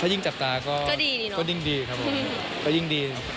ถ้ายิ่งจัดตาก็ยิ่งดี